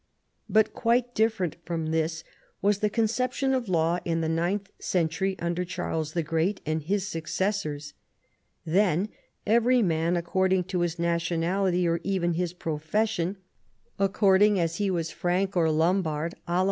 But quite different from this was the conception of law in the ninth century under Charles the Great and his successors. Then, every man, according to his nationality, or even his profession, — according as he was Frank or Lombard, 318 CHARLEMAGNE.